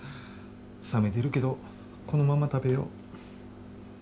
冷めてるけど、このまま食べよ。